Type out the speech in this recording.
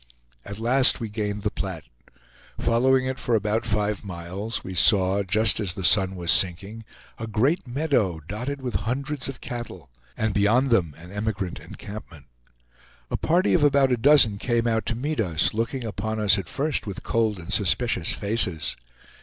At last we gained the Platte. Following it for about five miles, we saw, just as the sun was sinking, a great meadow, dotted with hundreds of cattle, and beyond them an emigrant encampment. A party of about a dozen came out to meet us, looking upon us at first with cold and suspicious faces.